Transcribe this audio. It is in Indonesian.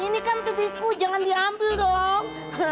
ini kan tipiku jangan diambil dong